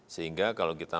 sehingga kalau kita